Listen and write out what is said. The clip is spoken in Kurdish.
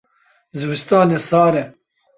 Zivistan e sar e.